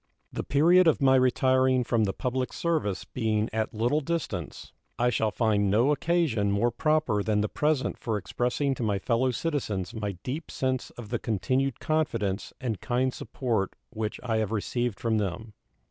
The period of my retiring from the public service being at little distance, I shall find no occasion more proper than the present for expressing to my fellow citizens my deep sense of the continued confidence and kind support which I have received from them.